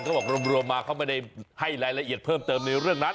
บอกรวมมาเขาไม่ได้ให้รายละเอียดเพิ่มเติมในเรื่องนั้น